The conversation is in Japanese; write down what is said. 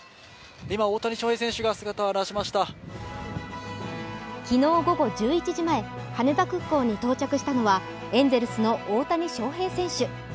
今、大谷翔平選手が姿を現しました昨日午後１１時前、羽田空港に到着したのはエンゼルスの大谷翔平選手。